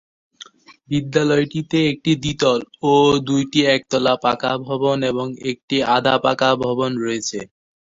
বিদ্যালয়টিতে একটি দ্বিতল ও দুইটি একতলা পাকা ভবন এবং একটি আধা-পাকা ভবন রয়েছে।